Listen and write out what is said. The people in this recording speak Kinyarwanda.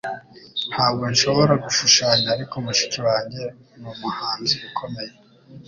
Ntabwo nshobora gushushanya, ariko mushiki wanjye numuhanzi ukomeye.